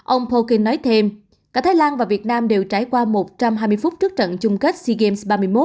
ông poking nói thêm cả thái lan và việt nam đều trải qua một trăm hai mươi phút trước trận chung kết sea games ba mươi một